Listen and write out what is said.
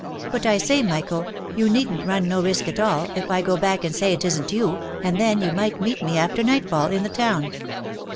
" But I say, Michael, you needn't run no risk at all, if I go back and say as it isn't you, and then you might meet me after nightfall, in the town."